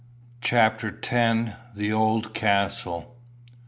CHAPTER X. THE OLD CASTLE.